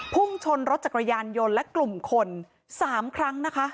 พุ่งชนรถจักรยานยนต์และกลุ่มคน๓ครั้งนะคะ